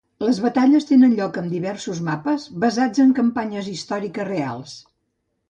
Les batalles tenen lloc en diversos mapes basats en campanyes històriques reals.